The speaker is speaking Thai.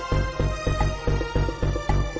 กินโทษส่องแล้วอย่างนี้ก็ได้